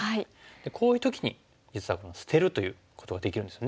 こういう時に実は捨てるということができるんですよね。